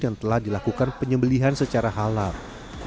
yang telah dilakukan penyembelihan secara halal